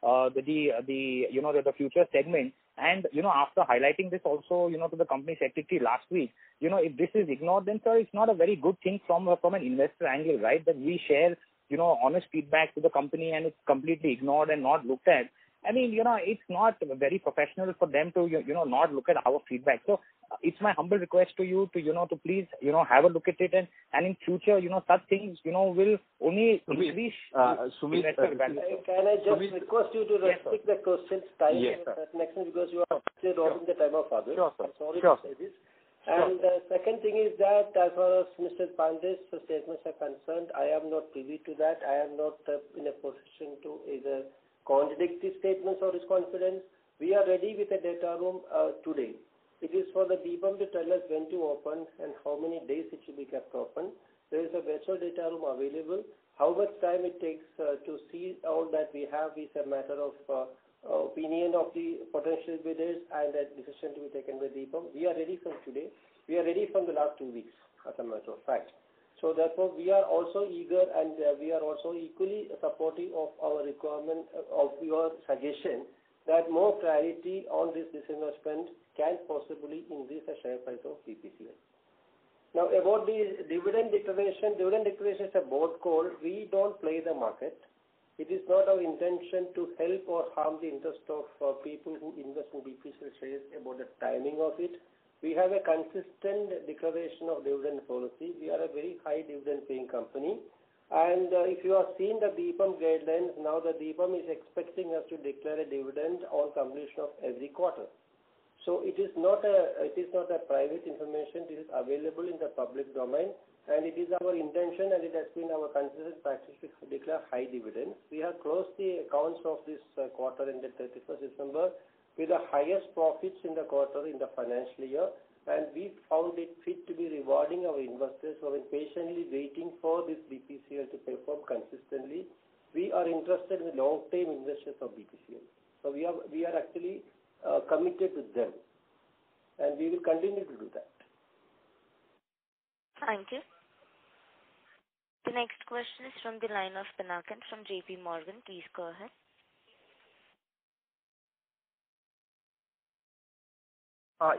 the future segment. After highlighting this also to the company secretary last week, if this is ignored, then sir, it's not a very good thing from an investor angle, right? That we share honest feedback to the company and it's completely ignored and not looked at. It's not very professional for them to not look at our feedback. It's my humble request to you to please have a look at it and in future, such things will only increase the investor Can I just request you to restrict the questions because you are obviously robbing the time of others. Sure, sir. I'm sorry to say this. The second thing is that as far as Mr. Pandey's statements are concerned, I am not privy to that. I am not in a position to either contradict his statements or his confidence. We are ready with the data room today. It is for DIPAM to tell us when to open and how many days it should be kept open. There is a virtual data room available. How much time it takes to see all that we have is a matter of opinion of the potential bidders and a decision to be taken with DIPAM. We are ready from today. We are ready from the last two weeks, as a matter of fact. Therefore, we are also eager, and we are also equally supportive of your suggestion that more clarity on this disinvestment can possibly increase the share price of BPCL. Now about the dividend declaration. Dividend declaration is a board call. We don't play the market. It is not our intention to help or harm the interest of people who invest in BPCL shares about the timing of it. We have a consistent declaration of dividend policy. We are a very high dividend-paying company. If you have seen the DIPAM guidelines, now the DIPAM is expecting us to declare a dividend on completion of every quarter. It is not a private information. It is available in the public domain, and it is our intention, and it has been our consistent practice to declare high dividends. We have closed the accounts of this quarter ended 31st December with the highest profits in the quarter in the financial year, and we found it fit to be rewarding our investors who have been patiently waiting for this BPCL to perform consistently. We are interested in long-term investors of BPCL. We are actually committed to them, and we will continue to do that. Thank you. The next question is from the line of Pinakin from JPMorgan. Please go ahead.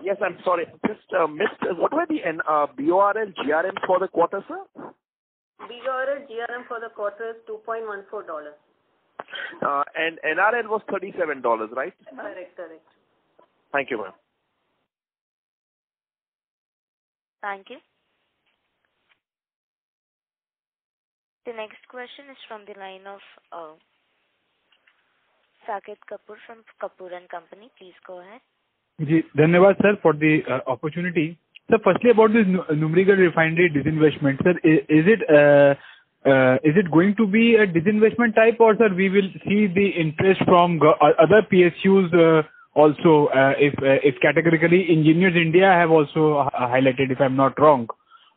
Yes, I'm sorry. What were the BORL GRM for the quarter, sir? BORL GRM for the quarter is $2.14. NRL was INR 37, right? Correct. Thank you, ma'am. Thank you. The next question is from the line of Saket Kapoor from Kapoor & Company. Please go ahead. Thank you, sir, for the opportunity. Sir, firstly, about this Numaligarh Refinery disinvestment. Sir, is it going to be a disinvestment type or sir, we will see the interest from other PSUs also, if categorically Engineers India have also highlighted, if I'm not wrong,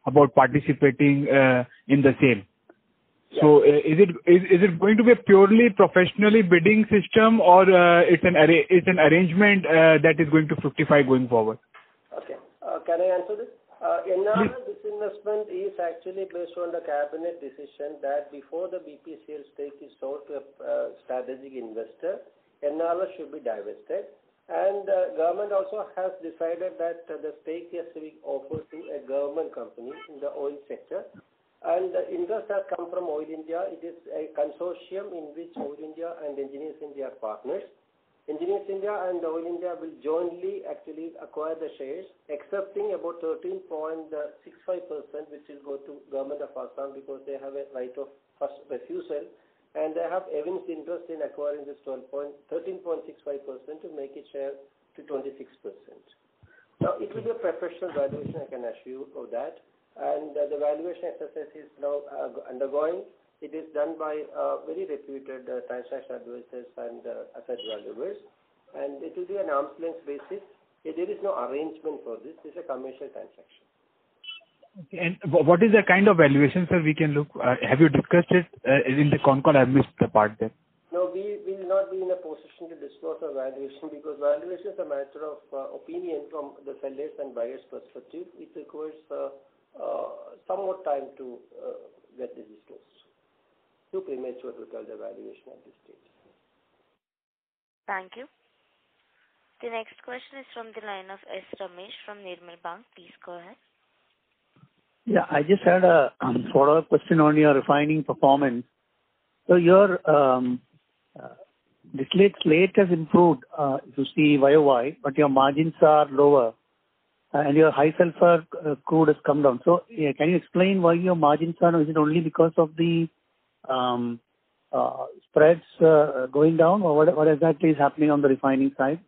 about participating in the same. Is it going to be a purely professionally bidding system or it's an arrangement that is going to 55 going forward? Okay. Can I answer this? Yes. NRL disinvestment is actually based on the cabinet decision that before the BPCL stake is sold to a strategic investor, NRL should be divested. The Government also has decided that the stake has to be offered to a government company in the oil sector. The interest has come from Oil India. It is a consortium in which Oil India and Engineers India are partners. Engineers India and Oil India will jointly actually acquire the shares, excepting about 13.65%, which will go to Government of Assam because they have a right of first refusal, and they have evinced interest in acquiring this 13.65% to make a share to 26%. Now, it will be a professional valuation, I can assure you of that, and the valuation exercise is now undergoing. It is done by a very reputed transaction advisors and asset valuers, and it will be an announcement basis. There is no arrangement for this. This is a commercial transaction. Okay. What is the kind of valuation, sir, we can look? Have you discussed it in the con call? I missed the part there. We will not be in a position to disclose our valuation because valuation is a matter of opinion from the seller's and buyer's perspective. It requires some more time to get this disclosed. Too premature to tell the valuation at this stage. Thank you. The next question is from the line of S. Ramesh from Nirmal Bang. Please go ahead. Yeah, I just had a follow-up question on your refining performance. Your slate has improved, you see YoY, but your margins are lower and your high sulfur crude has come down. Can you explain why your margins? Is it only because of the spreads going down or what exactly is happening on the refining side?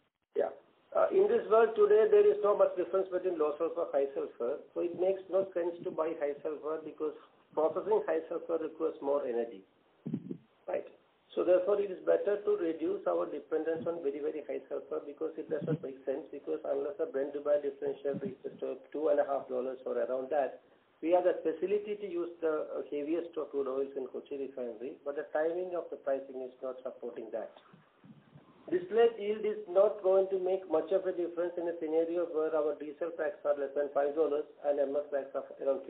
In this world today, there is not much difference between low sulfur, high sulfur. It makes no sense to buy high sulfur because processing high sulfur requires more energy. Right? Therefore, it is better to reduce our dependence on very high sulfur, because it does not make sense, because unless a Brent-Dubai differential reaches to $2.5 or around that, we have the facility to use the heaviest of crude oils in Kochi Refinery, but the timing of the pricing is not supporting that. Distillate yield is not going to make much of a difference in a scenario where our diesel cracks are less than $5 and MS cracks are around $3.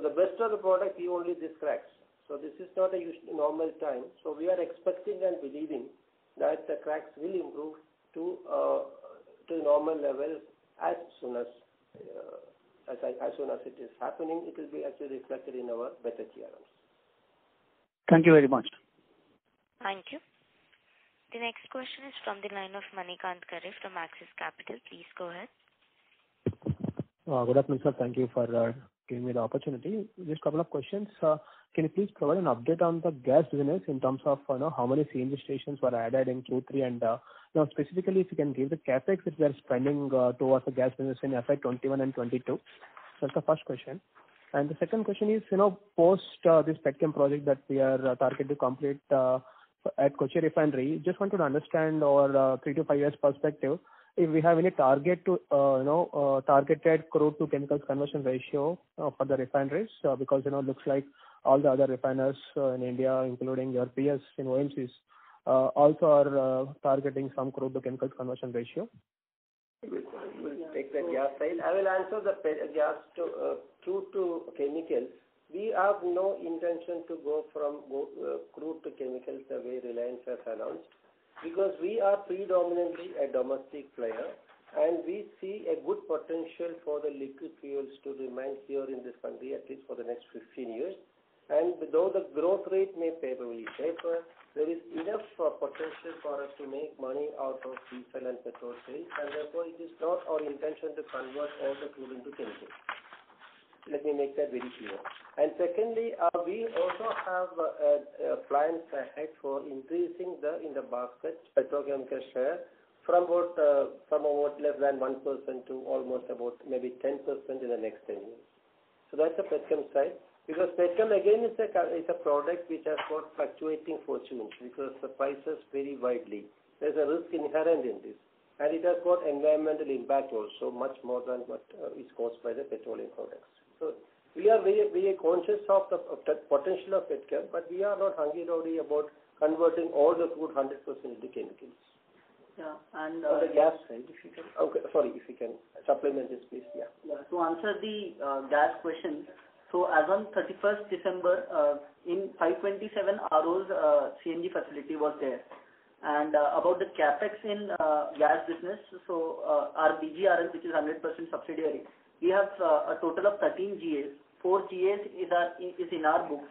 The best of the product yields these cracks. This is not a normal time. We are expecting and believing that the cracks will improve to a normal level as soon as it is happening, it will be actually reflected in our better GRMs. Thank you very much. Thank you. The next question is from the line of Manikanth Karri from Axis Capital. Please go ahead. Good afternoon, sir. Thank you for giving me the opportunity. Just a couple of questions. Can you please provide an update on the gas business in terms of how many CNG stations were added in Q3? Specifically, if you can give the CapEx that we are spending towards the gas business in FY 2021 and 2022. That's the first question. The second question is, post this petchem project that we are targeted to complete at Kochi Refinery, just wanted to understand our three to five years perspective, if we have any targeted crude to chemicals conversion ratio for the refineries. Because it looks like all the other refiners in India, including your PSUs, also are targeting some crude to chemicals conversion ratio. We will take that gas side. I will answer the gas crude to chemicals. We have no intention to go from crude to chemicals the way Reliance has announced, because we are predominantly a domestic player, and we see a good potential for the liquid fuels to remain here in this country, at least for the next 15 years. Though the growth rate may probably taper, there is enough potential for us to make money out of diesel and petrol sales, and therefore it is not our intention to convert all the crude into chemicals. Let me make that very clear. Secondly, we also have plans ahead for increasing the in the basket petrochemical share from what, less than 1% to almost about maybe 10% in the next 10 years. That's the petchem side. Petchem, again, is a product which has got fluctuating fortunes, because the prices vary widely. There's a risk inherent in this, and it has got environmental impact also much more than what is caused by the petroleum products. We are very conscious of the potential of petchem, but we are not hungry at all about converting all the crude 100% into chemicals. Yeah. On the gas side, if you could. Okay, sorry. If you can supplement this, please. Yeah. Yeah. To answer the gas question. As on December 31st, in 527 ROs, CNG facility was there. About the CapEx in gas business, so our BGRL, which is 100% subsidiary, we have a total of 13 GAs. Four GAs is in our books.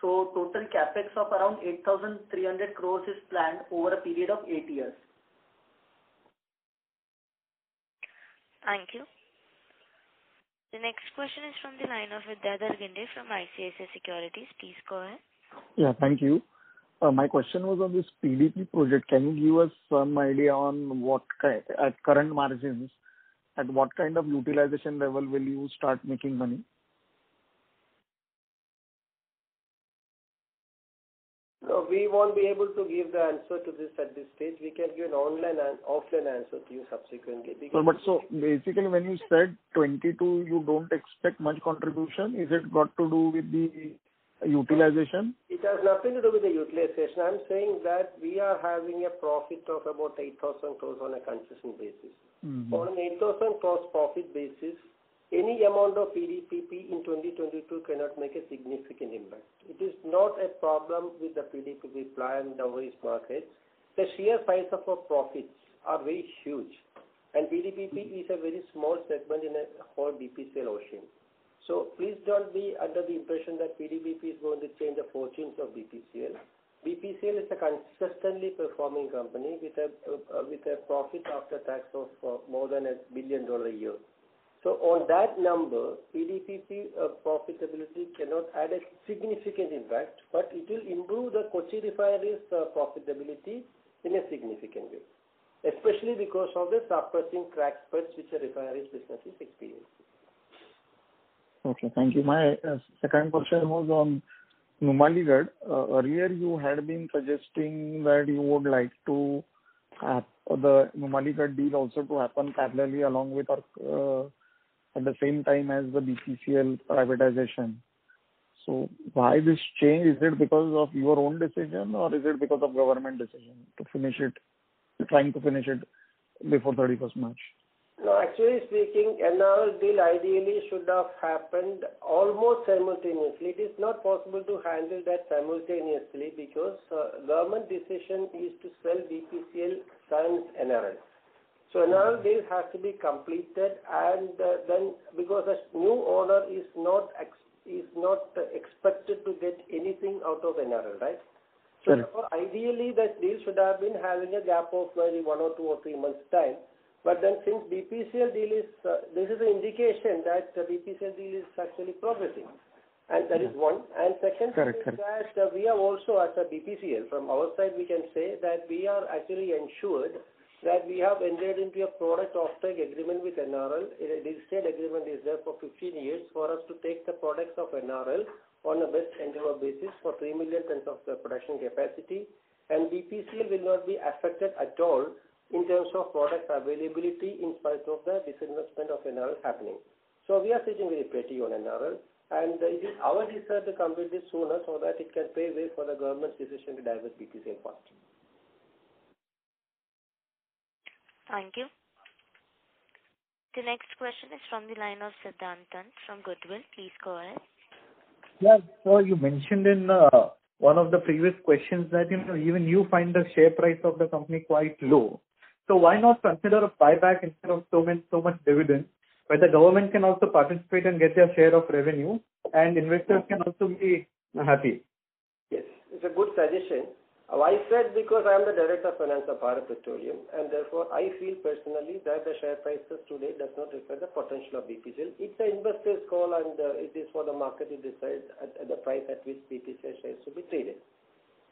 Total CapEx of around 8,300 crores is planned over a period of eight years. Thank you. The next question is from the line of Vidyadhar Ginde from ICICI Securities. Please go ahead. Yeah, thank you. My question was on this PDPP project. Can you give us some idea on, at current margins, at what kind of utilization level will you start making money? No, we won't be able to give the answer to this at this stage. We can give an offline answer to you subsequently. Basically, when you said 2022, you don't expect much contribution. Is it got to do with the utilization? It has nothing to do with the utilization. I'm saying that we are having a profit of about 8,000 crores on a consistent basis. On an 8,000 crore profit basis, any amount of PDPP in 2022 cannot make a significant impact. It is not a problem with the PDPP plan, the way it's marketed. The sheer size of our profits are very huge, and PDPP is a very small segment in a whole BPCL ocean. Please don't be under the impression that PDPP is going to change the fortunes of BPCL. BPCL is a consistently performing company with a profit after tax of more than $1 billion a year. On that number, PDPP profitability cannot add a significant impact, but it will improve the Kochi Refinery's profitability in a significant way, especially because of the suppressing crack spreads which the refinery business is experiencing. Okay, thank you. My second question was on Numaligarh. Earlier, you had been suggesting that you would like to have the Numaligarh deal also to happen parallelly along with or at the same time as the BPCL privatization. Why this change? Is it because of your own decision or is it because of Government decision to finish it, trying to finish it before March 31st? No, actually speaking, NRL deal ideally should have happened almost simultaneously. It is not possible to handle that simultaneously because government decision is to sell BPCL sans NRL. NRL deal has to be completed because the new owner is not expected to get anything out of NRL, right? Sure. Therefore, ideally, that deal should have been having a gap of maybe one or two or three months time. Since this is an indication that the BPCL deal is actually progressing, and that is one. Correct. Second thing is that we have also, as a BPCL, from our side, we can say that we are actually ensured that we have entered into a product offtake agreement with NRL. This said agreement is there for 15 years for us to take the products of NRL on a best endeavor basis for 3 million tons of the production capacity, and BPCL will not be affected at all in terms of product availability in spite of the disinvestment of NRL happening. We are sitting very pretty on NRL, and it is our desire to complete it sooner so that it can pave way for the government's decision to divest BPCL fast. Thank you. The next question is from the line of Siddhant Dand from Goodwill. Please go ahead. Yeah. Sir, you mentioned in one of the previous questions that even you find the share price of the company quite low. Why not consider a buyback instead of so much dividend, where the government can also participate and get their share of revenue, and investors can also be happy? Yes, it's a good suggestion. I said because I'm the Director of Finance of Bharat Petroleum. Therefore, I feel personally that the share prices today does not reflect the potential of BPCL. It's an investor's call. It is for the market to decide the price at which BPCL shares should be traded.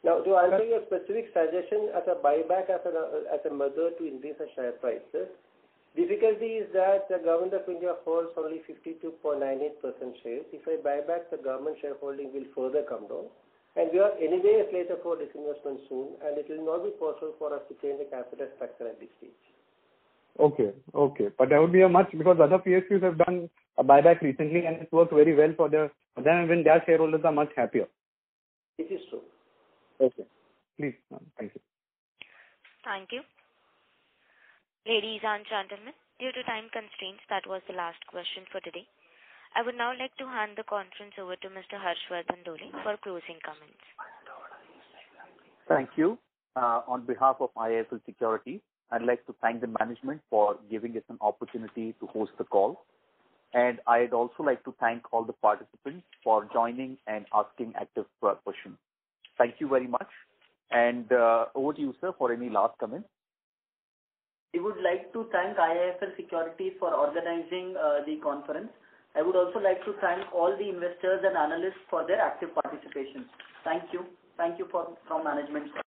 Now, to answer your specific suggestion as a buyback as a method to increase the share prices, difficulty is that the Government of India holds only 52.98% shares. If I buyback, the government shareholding will further come down. We are anyway slated for disinvestment soon. It will not be possible for us to change the capital structure at this stage. Okay. That would be because other PSUs have done a buyback recently, and it worked very well for them, and their shareholders are much happier. It is so. Okay. Please. Thank you. Thank you. Ladies and gentlemen, due to time constraints, that was the last question for today. I would now like to hand the conference over to Mr. Harshvardhan Dole for closing comments. Thank you. On behalf of IIFL Securities, I'd like to thank the management for giving us an opportunity to host the call. I'd also like to thank all the participants for joining and asking active questions. Thank you very much. Over to you, sir, for any last comments. We would like to thank IIFL Securities for organizing the conference. I would also like to thank all the investors and analysts for their active participation. Thank you. Thank you from management.